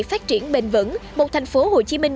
phát triển bền vững một thành phố hồ chí minh